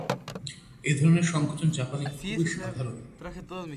এ-ধরনের সংকোচন জাপানে খুবই সাধারণ।